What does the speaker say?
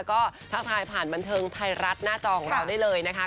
ก็ทักทายผ่านบันเทิงไทยรัฐหน้าจอของเราได้เลยนะคะ